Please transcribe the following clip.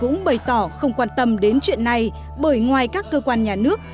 ông cũng bày tỏ không quan tâm đến chuyện này bởi ngoài các cơ quan nhà nước